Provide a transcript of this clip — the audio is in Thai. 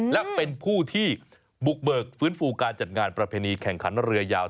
และเป็นผู้ที่บุกเบิกฟื้นฟูการจัดงานประเพณีแข่งขันเรือยาว